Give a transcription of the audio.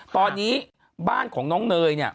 ตอนนี้บ้านของน้องเนย